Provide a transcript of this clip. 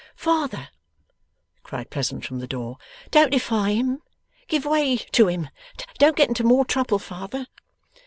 'Father!' cried Pleasant, from the door. 'Don't defy him! Give way to him! Don't get into more trouble, father!